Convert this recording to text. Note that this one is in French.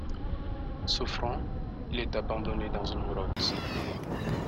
Souffrant, il est abandonné dans une grotte.